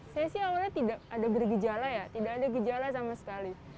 saya sih awalnya tidak ada bergejala ya tidak ada gejala sama sekali